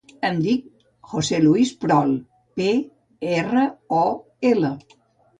Em dic José luis Prol: pe, erra, o, ela.